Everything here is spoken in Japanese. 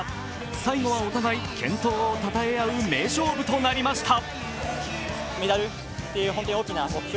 最後はお互い、健闘をたたえ合う名勝負となりました。